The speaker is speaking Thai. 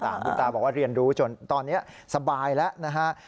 คุณตาบอกว่าเรียนรู้จนตอนนี้สบายแล้วนะฮะ